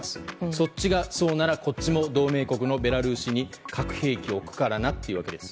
そっちがそうならこっちも同盟国のベラルーシに核兵器を置くからなということです。